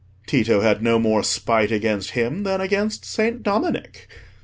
Tito had no more spite against him than against Saint Dominic.